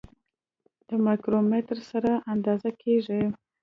د مایکرومتر سره اندازه کیږي.